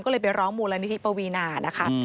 ก็เลยไปร้องมูลนิธิปวีนานะคะ